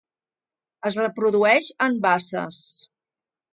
Es reprodueix en basses.